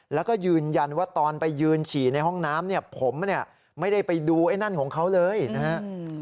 แล้วก็ยืนยันว่าตอนไปยืนฉี่ในห้องน้ำเนี่ยผมเนี่ยไม่ได้ไปดูไอ้นั่นของเขาเลยนะครับ